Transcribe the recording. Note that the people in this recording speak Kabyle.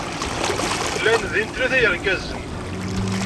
Llan din tlata yergazen.